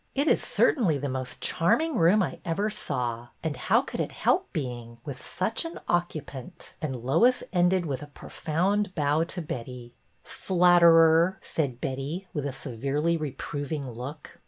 '' It is certainly the most charming room I ever saw, and how could it help being, with such an occupant? " and Lois ended with a profound bow to Betty. A RETURNED MANUSCRIPT 113 Flatterer !'' said Betty, with a severely re proving look.